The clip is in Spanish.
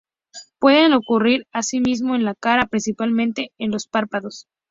Pueden ocurrir, asimismo, en la cara, principalmente en los párpados.